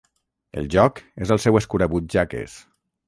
El joc és el seu escurabutxaques.